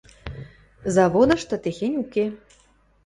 Заводышты техень уке...